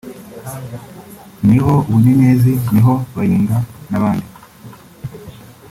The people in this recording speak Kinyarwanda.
ni ho Bunyenyezi ni ho Bayinga n’abandi